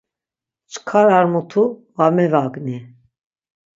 Çkar ar mutu va mevagni.